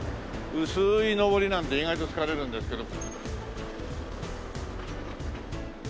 薄い上りなので意外と疲れるんですけど。